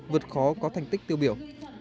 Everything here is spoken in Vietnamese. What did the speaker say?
vượt khó có thành tích tiêu biểu